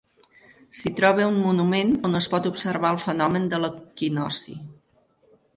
S'hi troba un monument on es pot observar el fenomen de l'equinocci.